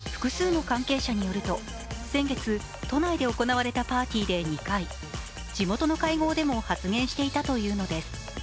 複数の関係者によると、先月都内で行われたパーティーで２回、地元の会合でも発言していたというのです。